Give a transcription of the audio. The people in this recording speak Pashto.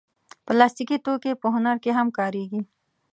پلاستيکي توکي په هنر کې هم کارېږي.